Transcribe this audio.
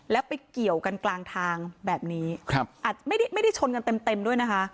แล้วไปเกี่ยวกันกลางทางแบบนี้ครับอาจไม่ได้ไม่ได้ชนกันเต็มเต็มด้วยนะคะ